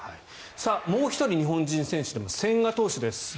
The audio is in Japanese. もう１人日本人選手、千賀投手です。